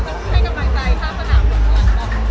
ใครก็มายใจท่าประหลาดแบบนี้หรือเปล่า